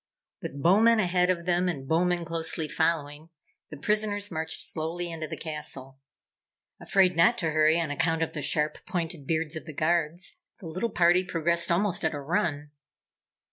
With Bowmen ahead of them and Bowmen closely following, the prisoners marched slowly into the castle. Afraid not to hurry on account of the sharp pointed beards of the Guards, the little party progressed almost at a run.